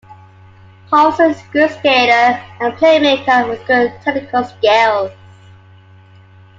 Karlsson is a good skater and playmaker with good technical skills.